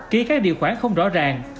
ký các điều khoản không rõ ràng